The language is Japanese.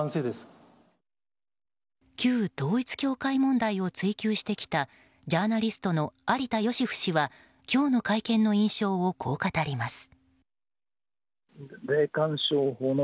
旧統一教会問題を追及してきたジャーナリストの有田芳生氏は今日の会見の印象をこう語ります。